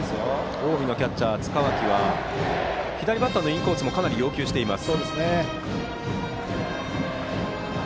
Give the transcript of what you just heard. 近江のキャッチャー塚脇は左バッターのインコースもかなり要求しています。